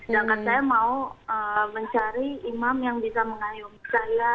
dan katanya mau mencari imam yang bisa mengayomi saya